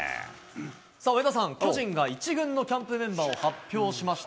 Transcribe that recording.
さあ、上田さん、巨人が１軍のキャンプメンバーを発表しました。